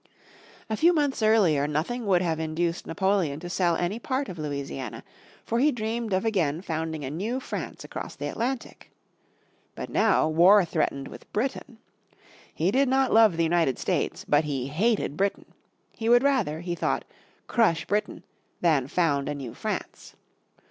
A few months earlier nothing would have induced Napoleon to sell any part of Louisiana, for he dreamed of again founding a New France across the Atlantic. But now war threatened with Britain. He did not love the United States, but he hated Britain. He would rather, he thought, crush Britain than found a New France.